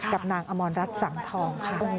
กับนางอมรรัฐสังทองค่ะ